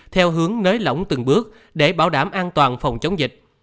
theo hướng nới lỏng từng bước để bảo đảm an toàn phòng chống dịch